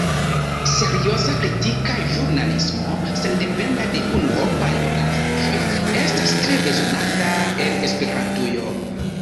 Serioza kritika ĵurnalismo, sendependa de unuopaj organizaĵoj, estas tre bezonata en Esperantujo.